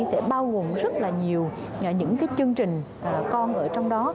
sẽ bao gồm rất là nhiều những chương trình con ở trong đó